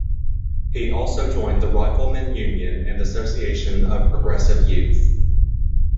He also joined the Riflemen Union and "Association of Progressive Youth".